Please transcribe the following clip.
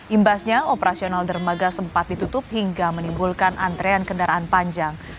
imbasnya operasional dermaga sempat ditutup hingga menimbulkan antrean kendaraan panjang